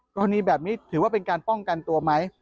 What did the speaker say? กรณีแบบนี้ถือว่าเป็นการป้องกันตัวไหม